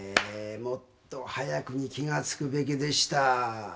もっと早くに気が付くべきでした。